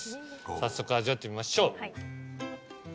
早速味わってみましょう。